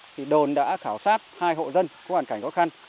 thì đồn đã khảo sát hai hộ dân có hoàn cảnh khó khăn